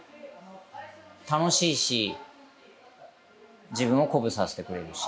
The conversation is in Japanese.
楽しいし自分を鼓舞させてくれるし。